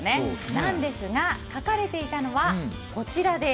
なんですが書かれていたのは、こちらです。